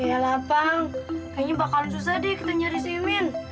yalah pang kayaknya bakalan susah deh kita nyari si imin